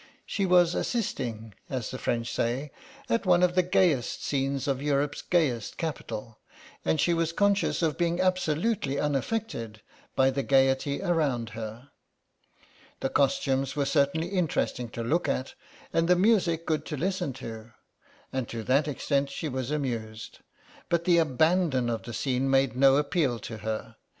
She was assisting, as the French say, at one of the gayest scenes of Europe's gayest capital, and she was conscious of being absolutely unaffected by the gaiety around her. The costumes were certainly interesting to look at, and the music good to listen to, and to that extent she was amused, but the abandon of the scene made no appeal to her.